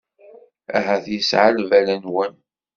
Ahat yeɛya lbal-nwen.